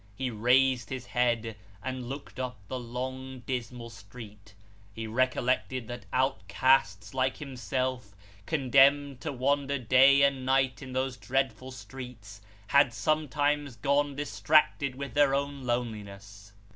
He raised his head, and looked up the long dismal street. He recollected that outcasts like himself, condemned to wander day and night in those dreadful streets, had sometimes gone distracted with their own loneliness.